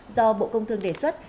do bộ công thương đề xuất